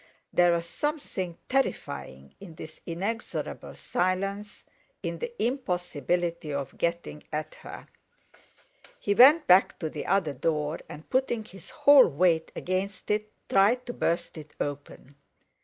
There was something terrifying in this inexorable silence, in the impossibility of getting at her. He went back to the other door, and putting his whole weight against it, tried to burst it open.